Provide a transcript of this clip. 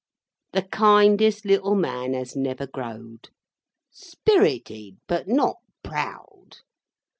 The kindest little man as never growed! Spirited, but not proud.